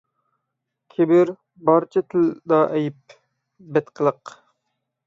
كىبىر – بارچە تىلدا ئەيب، بەتقىلىق.